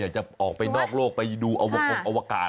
อยากจะออกไปนอกโลกไปดูอวกาศ